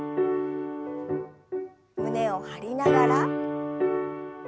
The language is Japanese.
胸を張りながら。